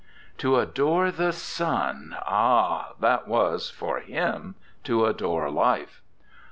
To adore the sun, ah! that was for him to adore life.